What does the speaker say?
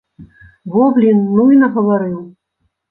Во блін, ну і нагаварыў!